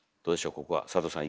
ここは佐藤さん。